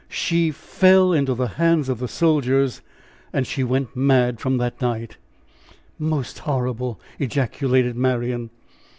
She fell into the hands of the soldiers! She went mad from that night!" "Most horrible!" ejaculated Marian.